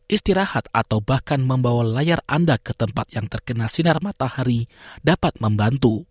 istirahat atau bahkan membawa layar anda ke tempat yang terkena sinar matahari dapat membantu